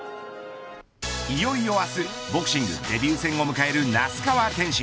いよいよ明日ボクシングデビュー戦を迎える那須川天心。